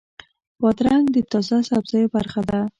بادرنګ د تازه سبزیو برخه ده.